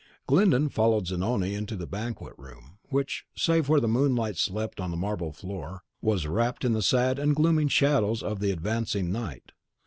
Glyndon followed Zanoni into the banquet room, which, save where the moonlight slept on the marble floor, was wrapped in the sad and gloomy shadows of the advancing night.